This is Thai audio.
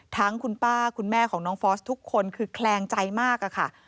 ทั้งคุณป้าคุณแม่ของน้องฟอสทุกคนคือแคลงใจมากค่ะ